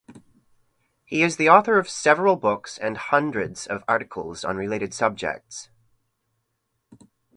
He is the author of several books and hundreds of articles on related subjects.